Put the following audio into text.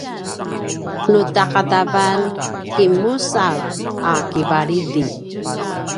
nu ta’adavan kinmusalj a kivalidi